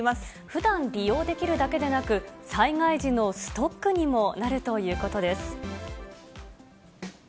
ふだん、利用できるだけでなく、災害時のストックにもなるということです。